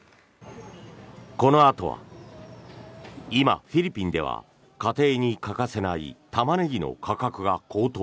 このあとは今、フィリピンでは家庭に欠かせないタマネギの価格が高騰。